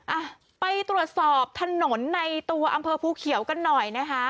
อ่ะไปตรวจสอบถนนในตัวอำเภอภูเขียวกันหน่อยนะคะ